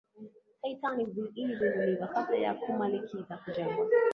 titanic ilizinduliwa kabla ya kumalizika kujengwa